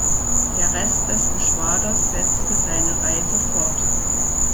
Der Rest des Geschwaders setzte seine Reise fort.